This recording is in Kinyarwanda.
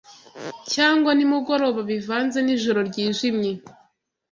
cyangwa nimugoroba bivanze Nijoro ryijimye